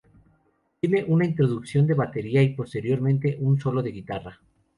Tiene una introducción de batería, y posteriormente un solo de guitarra.